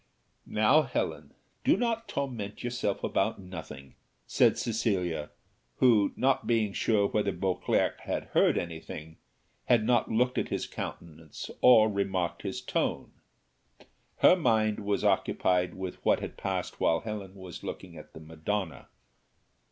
"Now, Helen, do not torment yourself about nothing," said Cecilia, who, not being sure whether Beauclerc had heard anything, had not looked at his countenance or remarked his tone; her mind was occupied with what had passed while Helen was looking at the Madonna.